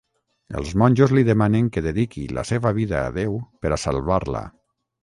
Els monjos li demanen que dediqui la seva vida a Déu per a salvar-la.